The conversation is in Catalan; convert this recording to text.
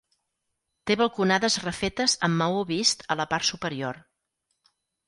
Té balconades refetes amb maó vist a la part superior.